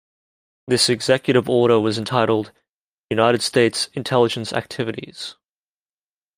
This executive order was entitled "United States Intelligence Activities".